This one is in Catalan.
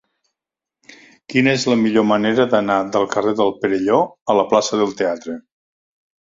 Quina és la millor manera d'anar del carrer del Perelló a la plaça del Teatre?